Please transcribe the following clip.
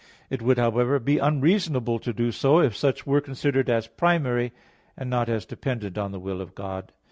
It would, however, be unreasonable to do so, if such were considered as primary, and not as dependent on the will of God.